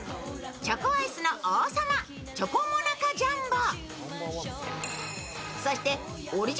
チョコアイスの王様チョコモナカジャンボ。